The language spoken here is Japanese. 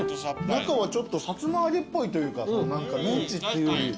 中はちょっとさつま揚げっぽいというか何かメンチっていうより。